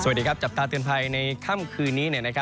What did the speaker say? สวัสดีครับจับตาเตือนภัยในค่ำคืนนี้